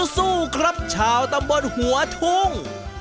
สู้ครับชาวตำบลหัวทุ่ง